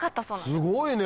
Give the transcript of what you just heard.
すごいね！